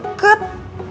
gak usah gak deket